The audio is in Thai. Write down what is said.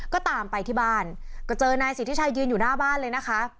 ก็ตามไปที่บ้านก็เจอนายสิทธิชัยยืนอยู่หน้าบ้านเลยนะคะ